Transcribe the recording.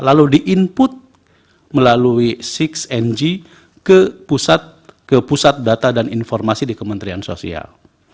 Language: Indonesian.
lalu di input melalui enam ng ke pusat data dan informasi di kementerian sosial